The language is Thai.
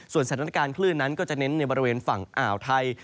สถานการณ์คลื่นนั้นก็จะเน้นในบริเวณฝั่งอ่าวไทย